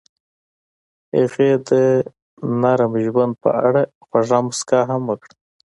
هغې د نرم ژوند په اړه خوږه موسکا هم وکړه.